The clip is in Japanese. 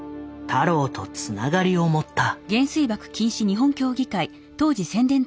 太郎とつながりを持った。